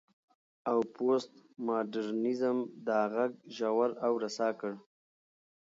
او پوسټ ماډرنيزم دا غږ ژور او رسا کړ.